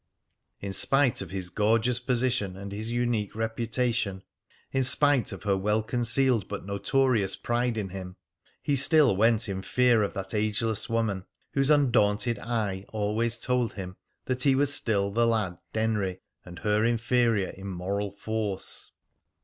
In spite of his gorgeous position and his unique reputation, in spite of her well concealed but notorious pride in him, he still went in fear of that ageless woman, whose undaunted eye always told him that he was still the lad Denry, and her inferior in moral force.